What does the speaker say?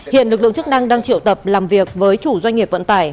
hiện lực lượng chức năng đang triệu tập làm việc với chủ doanh nghiệp vận tải